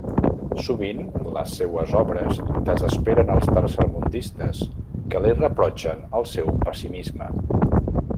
Sovint, les seues obres desesperen els tercermundistes, que li reprotxen el seu pessimisme.